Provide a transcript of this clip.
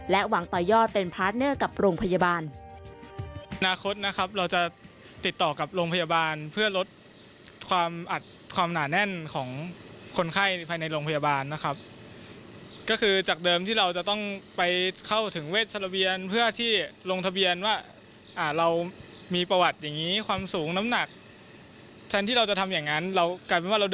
หวังต่อยอดเป็นพาร์ทเนอร์กับโรงพยาบาล